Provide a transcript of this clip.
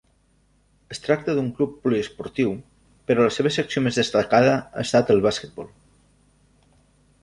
Es tracta d'un club poliesportiu, però la seva secció més destacada ha estat el basquetbol.